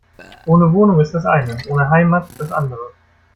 Ohne Wohnung ist das eine, ohne Heimat das andere.